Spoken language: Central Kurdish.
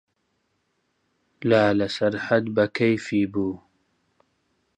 لالە سەرحەد بە کەیفی بوو.